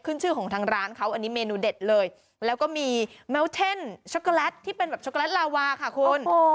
ชื่อของทางร้านเขาอันนี้เมนูเด็ดเลยแล้วก็มีแมวเท่นช็อกโกแลตที่เป็นแบบช็อกโกแลตลาวาค่ะคุณ